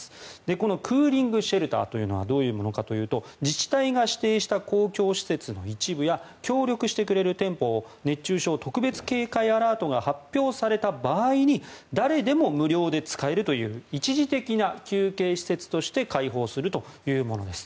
このクーリングシェルターはどういうものかというと自治体が指定した公共施設の一部や協力してくれる店舗を熱中症特別警戒アラートが発表された場合に誰でも無料で使えるという一時的な休憩施設として開放するというものです。